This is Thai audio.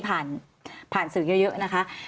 ผ่านสื่อเยอะนะคะ